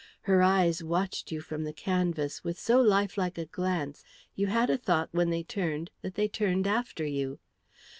Her eyes watched you from the canvas with so life like a glance you had a thought when you turned that they turned after you.